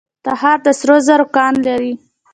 تخار د سرو زرو کان لري